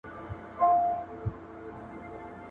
چي اوښ ولاړی، مهار ئې زه څه کوم؟